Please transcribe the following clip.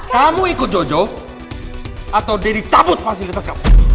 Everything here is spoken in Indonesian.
kamu ikut jojo atau daddy cabut fasilitas kamu